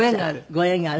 ご縁がある。